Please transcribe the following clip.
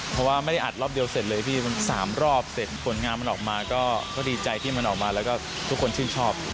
เพราะว่าไม่ได้อัดรอบเดียวเสร็จเลยพี่มัน๓รอบเสร็จผลงานมันออกมาก็ดีใจที่มันออกมาแล้วก็ทุกคนชื่นชอบ